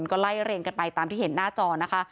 ก็ไล่เรียงกันไปตามที่เห็นหน้าจอนะคะ